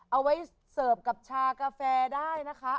เอาไปขึ้นโต๊ะเอาไว้เสิร์ฟกับชากาแฟได้นะคะ